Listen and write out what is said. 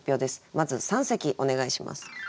まず三席お願いします。